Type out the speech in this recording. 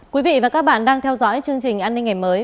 quý vị và các bạn đang theo dõi chương trình an ninh ngày mới